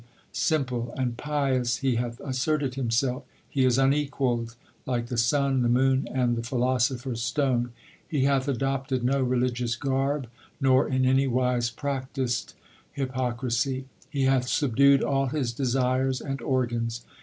LIFE OF GURU ARJAN 33 Simple and pious he hath asserted himself ; he is un equalled like the sun, the moon, and the philosopher s stone. He hath adopted no religious garb nor in any wise practised hypocrisy ; he hath subdued all his desires and organs.